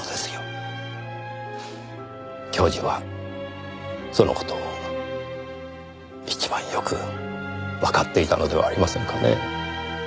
教授はその事を一番よくわかっていたのではありませんかね。